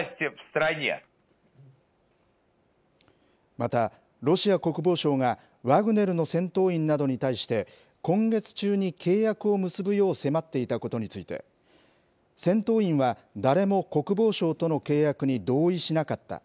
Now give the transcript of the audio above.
また、ロシア国防省がワグネルの戦闘員などに対して、今月中に契約を結ぶよう迫っていたことについて、戦闘員は、誰も国防省との契約に同意しなかった。